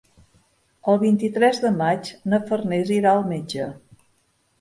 El vint-i-tres de maig na Farners irà al metge.